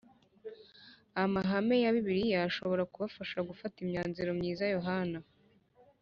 Amahame ya Bibiliya ashobora kubafasha gufata imyanzuro myiza Yohana